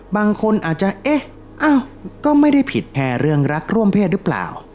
บางคนอาจจะเอ๊ะอ้าวก็ไม่ได้ผิดแอร์เรื่องรักร่วมเพศหรือเปล่า